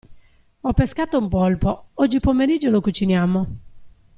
Ho pescato un polpo, oggi pomeriggio lo cuciniamo.